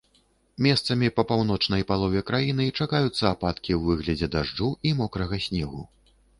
Месцамі па паўночнай палове краіны чакаюцца ападкі ў выглядзе дажджу і мокрага снегу.